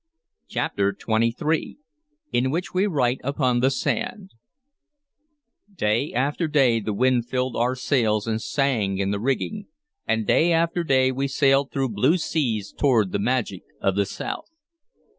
CHAPTER XXIII IN WHICH WE WRITE UPON THE SAND DAY after day the wind filled our sails and sang in the rigging, and day after day we sailed through blue seas toward the magic of the south.